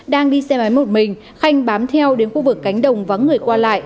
đang đi xe máy một mình khanh bám theo đến khu vực cánh đồng vắng người qua lại